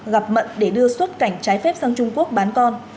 gặp mận để đưa xuất cảnh trái phép sang trung quốc bán con